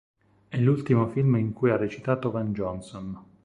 È l'ultimo film in cui ha recitato Van Johnson.